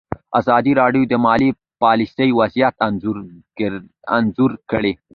ازادي راډیو د مالي پالیسي وضعیت انځور کړی.